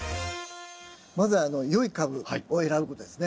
まずは良い株を選ぶことですね。